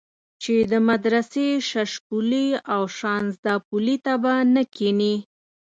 چې د مدرسې ششپولي او شانزدا پلي ته به نه کېنې.